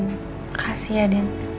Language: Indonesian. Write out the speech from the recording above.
makasih ya din